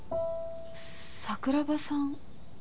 桜庭さん